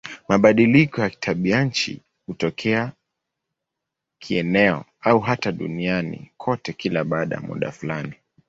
Mabadiliko ya tabianchi hutokea kieneo au hata duniani kote kila baada ya muda fulani.